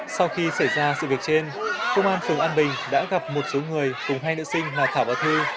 sau khi xảy ra sự việc trên công an phường an bình đã gặp một số người cùng hai nữ sinh là thảo và thư